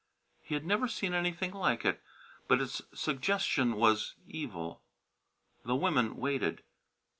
He had never seen anything like it, but its suggestion was evil. The women waited.